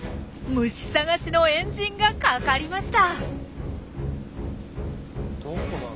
虫探しのエンジンがかかりました。